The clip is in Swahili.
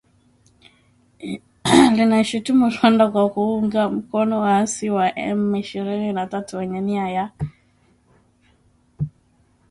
linaishutumu Rwanda kwa kuunga mkono waasi wa M ishirini na tatu wenye nia ya